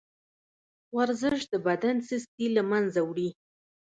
ورزش د بدن سستي له منځه وړي.